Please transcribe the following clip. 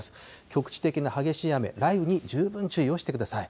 局地的な激しい雨、雷雨に十分注意をしてください。